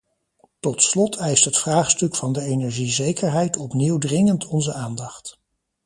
Tot slot eist het vraagstuk van de energiezekerheid opnieuw dringend onze aandacht.